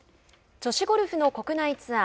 女子ゴルフの国内ツアー。